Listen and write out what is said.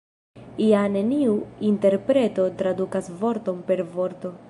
Ja neniu interpreto tradukas vorton per vorto.